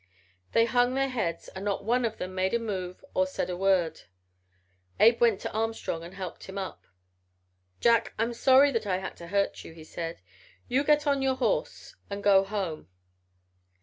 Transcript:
"They hung their heads and not one of them made a move or said a word. Abe went to Armstrong and helped him up. "'Jack, I'm sorry that I had to hurt you,' he said. 'You get on to your horse and go home.'